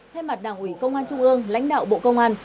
thay mặt đảng ủy công an trung ương lãnh đạo bộ công an